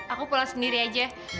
aku pulang sendiri aja